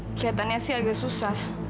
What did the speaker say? keliatannya sih agak susah